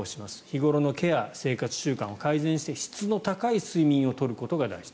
日頃のケア、生活習慣を改善して質の高い睡眠を取ることが大事。